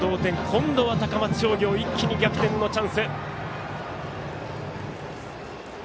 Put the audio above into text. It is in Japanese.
今度は高松商業一気に逆転のチャンス。